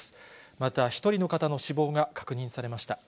また１人の方の死亡が確認されました。